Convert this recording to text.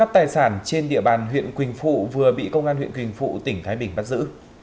tài sản trên địa bàn huyện quỳnh phụ vừa bị công an huyện quỳnh phụ tỉnh thái bình bắt giữ